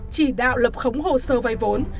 chỉ đạo lập khống hồ sơ vai vốn